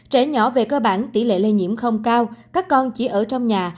trẻ nhỏ về cơ bản tỷ lệ lây nhiễm không cao các con chỉ ở trong nhà